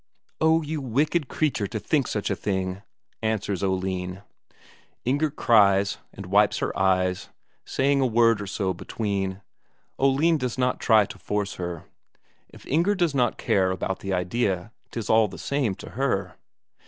"Oh, you wicked creature to think of such a thing!" answers Oline. Inger cries, and wipes her eyes, saying a word or so between. Oline does not try to force her. If Inger does not care about the idea, 'tis all the same to her.